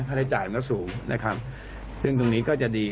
ฆาติจ่ายมันก็สูงซึ่งตรงนี้ก็จะดี